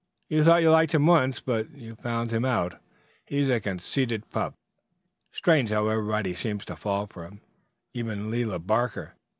You thought you liked him once, but you've found him out. He's a conceited pup. Strange how everybody seems to fall for him, even Lela Barker.